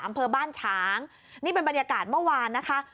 อำเภอบ้านฉางนี่เป็นบรรยากาศเมื่อวานนะคะ